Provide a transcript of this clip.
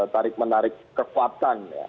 tarik menarik kekuatan ya